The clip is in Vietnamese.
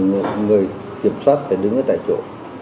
người kiểm soát phải đứng ở tại chỗ